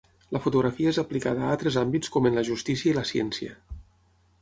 La fotografia és aplicada a altres àmbits com en la justícia i la ciència.